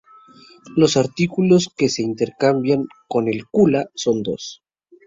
Los artículos que se intercambian en el "Kula" son dos.